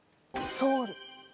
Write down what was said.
ソウル。